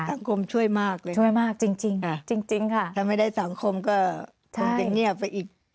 สังคมช่วยมากช่วยมากจริงจริงถ้าไม่ได้สังคมก็ต้องเป็นเงียบไปอีก